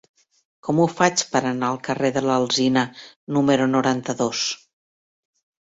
Com ho faig per anar al carrer de l'Alzina número noranta-dos?